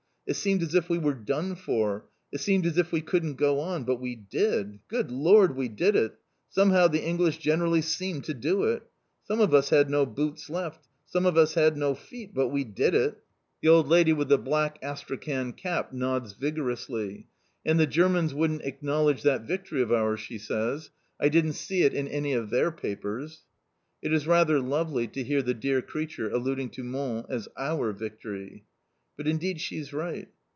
It seemed as if we were done for. It seemed as if we couldn't go on. But we did. Good lor! We did it! Somehow the English generally seem to do it. Some of us had no boots left. Some of us had no feet. But WE DID IT!'" The old lady with the black astrakhan cap nods vigorously. "And the Germans wouldn't acknowledge that victory of ours," she says! "I didn't see it in any of their papers." It is rather lovely to hear the dear creature alluding to Mons as "our victory!" But indeed she is right.